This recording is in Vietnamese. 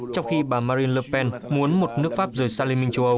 trong khi bà marine le pen muốn một nước pháp rời xa linh minh